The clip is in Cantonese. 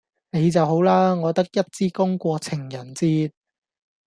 你就好啦！我得一支公過情人節